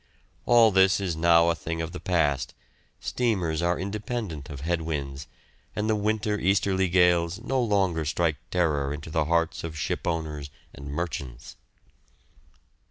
All this is now a thing of the past, steamers are independent of head winds, and winter easterly gales no longer strike terror into the hearts of shipowners and merchants.